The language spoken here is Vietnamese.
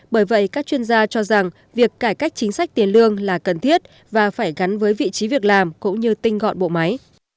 bởi vậy các chuyên gia cho rằng việc cải cách chính sách tiền lương là cần thiết và phải gắn với vị trí việc làm cũng như tinh gọn bộ máy